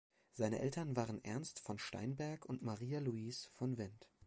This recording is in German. Seine Eltern waren Ernst von Steinberg und Maria Luise von Wendt.